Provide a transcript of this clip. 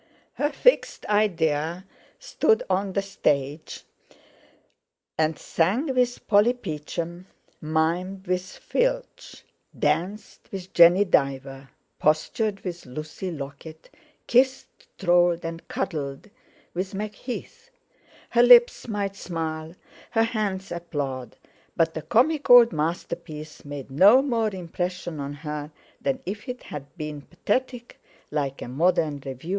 Her fixed idea stood on the stage and sang with Polly Peachum, mimed with Filch, danced with Jenny Diver, postured with Lucy Lockit, kissed, trolled, and cuddled with Macheath. Her lips might smile, her hands applaud, but the comic old masterpiece made no more impression on her than if it had been pathetic, like a modern "Revue."